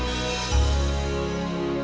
aku ingin menemukan kamu